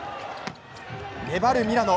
粘るミラノ。